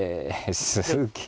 すげえ！